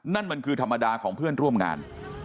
นั่นมันคือธรรมดาของเพื่อนร่วมงาน